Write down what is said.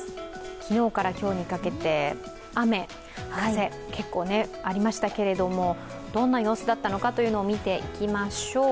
昨日から今日にかけて雨、風、結構ありましたけれどもどんな様子だったのかというのを見ていきましょう。